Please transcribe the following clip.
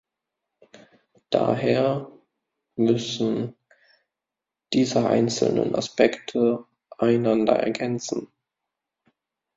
Daher müssen diese einzelnen Aspekte einander ergänzen.